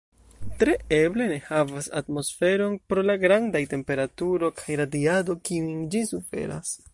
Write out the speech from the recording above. Tre eble ne havas atmosferon pro la grandaj temperaturo kaj radiado kiujn ĝi suferas.